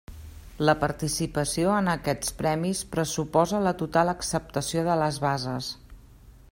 La participació en aquests Premis pressuposa la total acceptació de les bases.